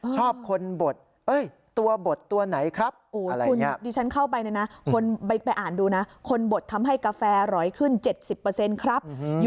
ชอบคนบดตัวบดตัวไหนครับ